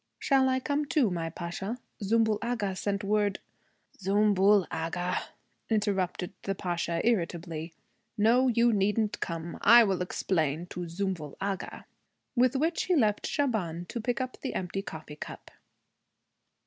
'Shall I come too, my Pasha? Zümbül Agha sent word ' 'Zümbül Agha!' interrupted the Pasha irritably. 'No, you needn't come. I will explain to Zümbül Agha.' With which he left Shaban to pick up the empty coffee cup.